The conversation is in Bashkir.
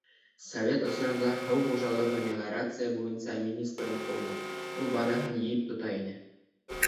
Совет осоронда һыу хужалығы, мелиорация буйынса министрлыҡ булды, ул барыһын йыйып тота ине.